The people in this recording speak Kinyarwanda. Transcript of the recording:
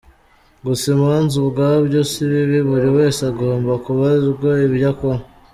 Guca imanza ubwabyo si bibi, buri wese agomba kubazwa ibyo akora.